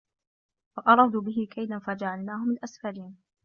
فَأَرادوا بِهِ كَيدًا فَجَعَلناهُمُ الأَسفَلينَ